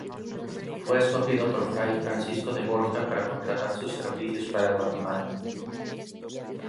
Fue escogido por fray Francisco de Borja para contratar sus servicios para Guatemala.